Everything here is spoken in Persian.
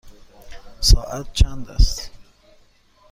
ساعت چند است؟